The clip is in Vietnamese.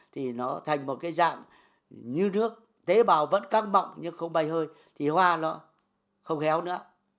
thì nó thành một cái dạng như nước tế bào vẫn căng bọng nhưng không bay hơi thì hoa nó không khéo nữa